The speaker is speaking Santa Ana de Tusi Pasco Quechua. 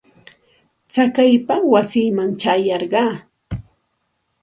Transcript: Chakaypa wasiiman ćhayarqaa.